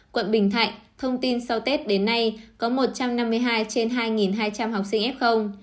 quận bình thạnh thông tin sau tết đến nay có một trăm năm mươi hai trên hai hai trăm linh học sinh f